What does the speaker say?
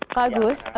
nah ini bagus